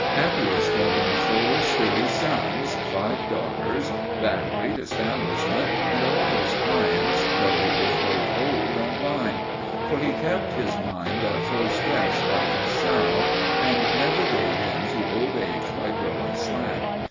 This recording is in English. Appius governed four sturdy sons, five daughters, that great establishment, and all those clients, though he was both old and blind. For he kept his mind at full stretch like a bow, and never gave in to old age by growing slack.